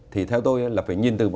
thì theo tôi là phải nhìn từ